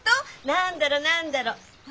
何だろ何だろ。